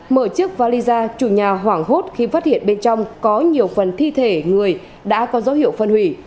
mở chiếc valisa chủ nhà hoảng hốt khi phát hiện bên trong có nhiều phần thi thể người đã có dấu hiệu phân hủy